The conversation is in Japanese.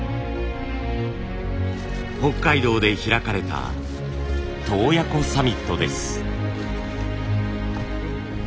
北海道で開かれた洞爺湖サミットです。